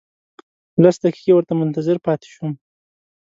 لس دقیقې ورته منتظر پاتې شوم.